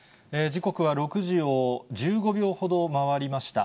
時刻は６時を１５秒ほど回りました。